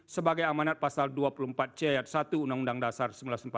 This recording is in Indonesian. sebagai amanat pasal dua puluh empat c ayat satu undang undang dasar seribu sembilan ratus empat puluh lima